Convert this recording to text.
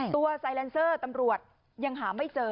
ตัวไซแลนเซอร์ตำรวจยังหาไม่เจอ